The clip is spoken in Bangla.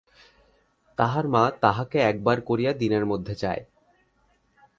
তাহার মা তাহাকে একবার করিয়া দিনের মধ্যে চায়।